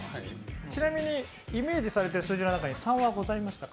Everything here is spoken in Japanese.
ちなみにイメージされてる数字の中には３はございましたか？